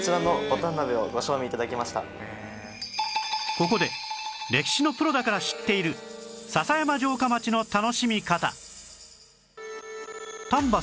ここで歴史のプロだから知っている篠山城下町の楽しみ方